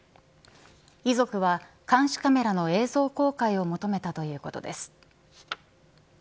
遺族は監視カメラの映像公開を求めたということです。